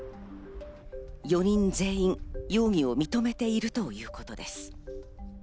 ４人全員、容疑を認めているということです。